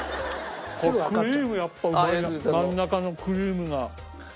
このクリームやっぱうまい真ん中のクリームが。